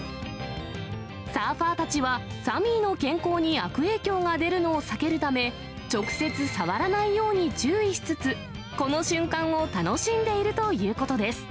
サーファーたちは、サミーの健康に悪影響が出るのを避けるため、直接、触らないように注意しつつ、この瞬間を楽しんでいるということです。